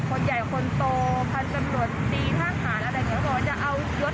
พอเลิกไม่ดีแล้ว